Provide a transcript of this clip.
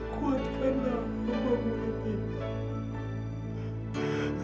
kuatkanlah membuat hambamu ini allah